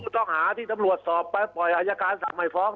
ต้องหาที่ตำรวจสอบไปปล่อยอายการสั่งไม่ฟ้อง